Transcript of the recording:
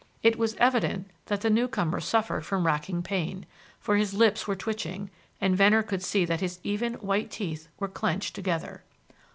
It was evident that the newcomer suffered from racking pain, for his lips were twitching, and Venner could see that his even, white teeth were clenched together.